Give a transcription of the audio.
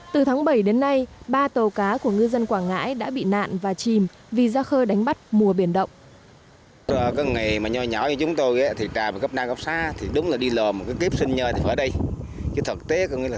từ tháng bảy đến nay ba tàu cá của ngư dân quảng ngãi đã bị nạn và chìm vì ra khơi đánh bắt